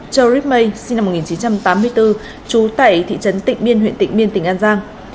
joe ripmay sinh năm một nghìn chín trăm tám mươi bốn chú tẩy thị trấn tịnh biên huyện tịnh biên tỉnh an giang